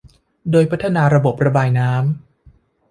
โดยพัฒนาระบบระบายน้ำ